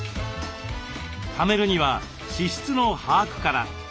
ためるには支出の把握から。